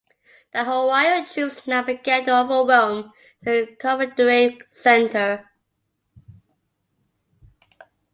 The Ohio troops now began to overwhelm the Confederate center.